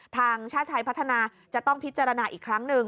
ชาติไทยพัฒนาจะต้องพิจารณาอีกครั้งหนึ่ง